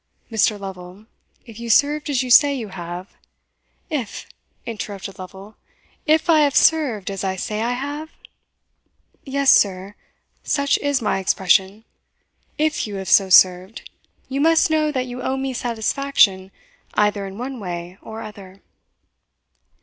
"Mr. Lovel, if you served as you say you have" "If!" interrupted Lovel, "if I have served as I say I have?" "Yes, sir, such is my expression if you have so served, you must know that you owe me satisfaction either in one way or other."